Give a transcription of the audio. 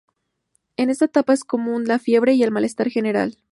En esta etapa es común la fiebre y el malestar general.